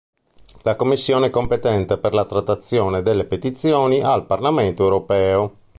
La commissione è competente per la trattazione delle petizioni al Parlamento europeo.